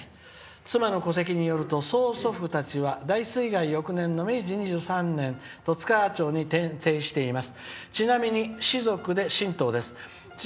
「妻の戸籍によると曽祖父たちは大水害の翌年の明治２３年、十津川町に移っています。